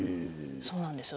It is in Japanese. そうなんですよ。